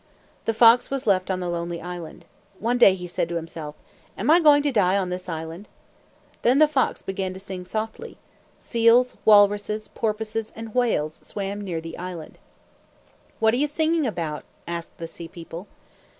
The fox was left on the lonely island. One day he said to himself, "Am I going to die on this island?" Then the fox began to sing softly. Seals, walruses, porpoises, and whales swam near the island. "What are you singing about?" asked the sea people.